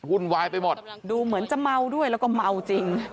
วุ่นวายไปหมดดูเหมือนจะเมาด้วยแล้วก็เมาจริง